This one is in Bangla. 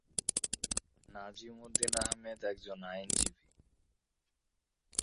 নাজিম উদ্দিন আহমেদ একজন আইনজীবী।